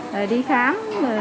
rồi đi khám